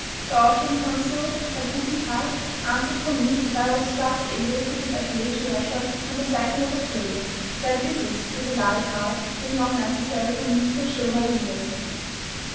The Austrian Consul, Herr Gutenthal, answered for me, and I was thus able to bid adieu to Russia on the 2nd of October. That I did this with a light heart it is not necessary for me to assure my readers.